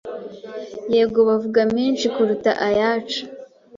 yego bavuga menshi kuruta ayacu